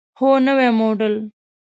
هو، نوی موډل